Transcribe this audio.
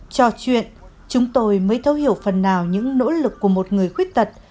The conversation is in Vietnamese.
trò chuyện chúng tôi mới thấu hiểu phần nào những nỗ lực của một người khuyết tật